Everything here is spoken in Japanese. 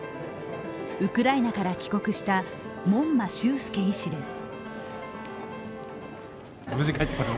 ウクライナから帰国した門馬秀介医師です。